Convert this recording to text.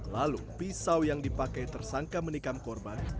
lalu pisau yang dipakai tersangka menikam korban